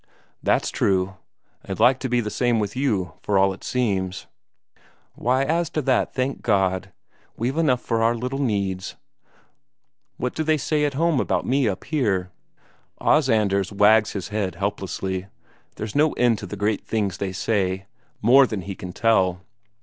"That's true. And like to be the same with you, for all it seems." "Why, as to that, thank God, we've enough for our little needs. What do they say at home about me up here?" Os Anders wags his head helplessly; there's no end to the great things they say; more than he can tell.